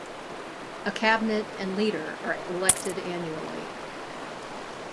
A cabinet and leader are elected annually.